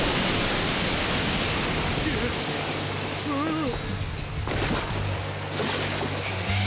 ああ。